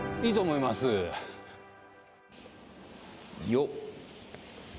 よっ。